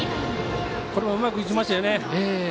これはうまくいきましたね。